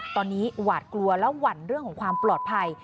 ตอนนี้หวาดกลัวและหวั่นเรื่องของความปลอดภัย